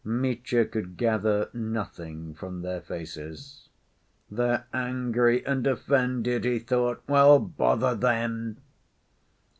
Mitya could gather nothing from their faces. "They're angry and offended," he thought. "Well, bother them!"